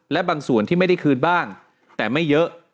และบางส่วนที่ไม่ได้คืนบ้างแต่ไม่เยอะ